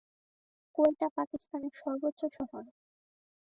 কোয়েটা পাকিস্তানের সর্ব্বোচ্চ শহর।